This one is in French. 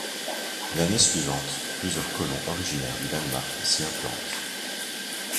L'année suivante, plusieurs colons originaires du Danemark s'y implantent.